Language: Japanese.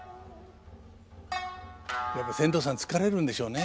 やっぱり船頭さん疲れるんでしょうね。